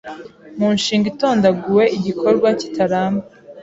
mu nshinga itondaguwe igikorwa kitaramba